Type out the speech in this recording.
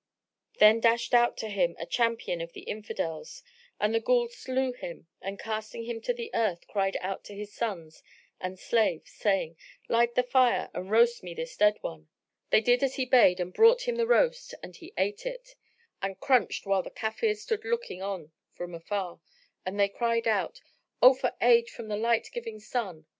Then dashed out to him a champion of the Infidels, and the Ghul slew him and casting him to the earth, cried out to his sons and slaves, saying, "Light the fire and roast me this dead one." They did as he bade and brought him the roast and he ate it and crunched the bones, whilst the Kafirs stood looking on from afar; and they cried out, "Oh for aid from the light giving Sun!"